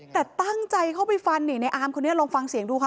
แต่ตั้งใจเข้าไปฟันนี่ในอาร์มคนนี้ลองฟังเสียงดูค่ะ